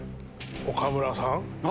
岡村さん。